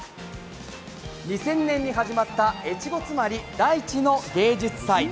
２０００年に始まった越後妻有大地の芸術祭。